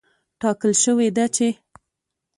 ټاکل شوې ده چې